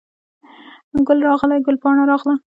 ګل راغلی، ګل پاڼه راغله